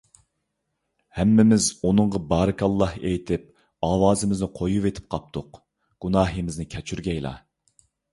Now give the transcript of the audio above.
ھەممىمىز ئۇنىڭغا بارىكاللاھ ئېيتىپ، ئاۋازىمىزنى قويۇۋېتىپ قاپتۇق. گۇناھىمىزنى كەچۈرگەيلا!